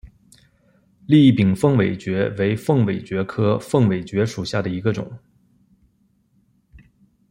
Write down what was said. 栗柄凤尾蕨为凤尾蕨科凤尾蕨属下的一个种。